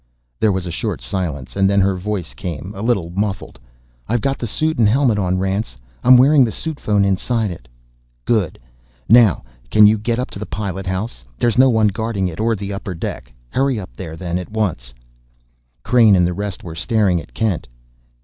There was a short silence, and then her voice came, a little muffled. "I've got the suit and helmet on, Rance. I'm wearing the suit phone inside it." "Good! Now, can you get up to the pilot house? There's no one guarding it or the upper deck? Hurry up there, then, at once." Crain and the rest were staring at Kent.